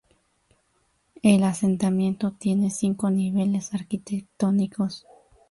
El asentamiento tiene cinco niveles arquitectónicos.